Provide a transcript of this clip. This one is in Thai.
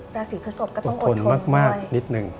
ก็ต้องอดทนมากนิดหนึ่ง